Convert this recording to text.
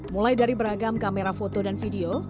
mulai dari beragam kamera foto dan video